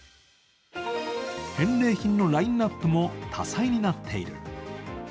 返礼品のラインナップも多彩になっている。